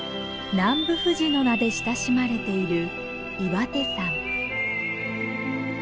「南部富士」の名で親しまれている岩手山。